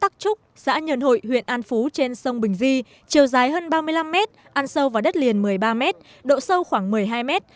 bắc trúc xã nhơn hội huyện an phú trên sông bình di chiều dài hơn ba mươi năm mét ăn sâu vào đất liền một mươi ba mét độ sâu khoảng một mươi hai mét